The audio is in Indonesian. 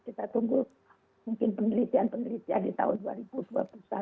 kita tunggu mungkin penelitian penelitian di tahun dua ribu dua puluh satu